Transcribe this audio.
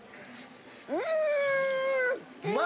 うん！！